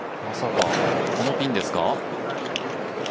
まさか、このピンですか。